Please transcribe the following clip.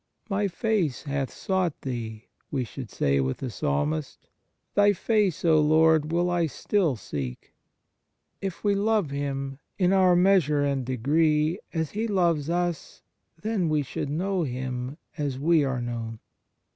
" My face hath sought Thee," we should say with the Psalmist : Thy face, O Lord, will I still seek." If we love Him, in our measure and degree, as He loves us, then we shall know Him as we are known.